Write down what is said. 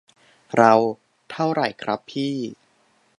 เรา : เท่าไรครับพี่